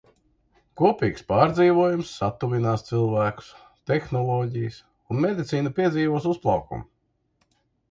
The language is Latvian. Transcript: Kopīgs pārdzīvojums satuvinās cilvēkus, tehnoloģijas un medicīna piedzīvos uzplaukumu.